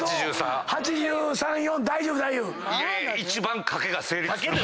一番賭けが成立する。